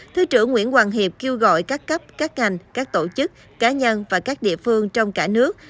thứ trưởng nguyễn hoàng hiệp kêu gọi các cấp các ngành các tổ chức cá nhân và các địa phương trong cả nước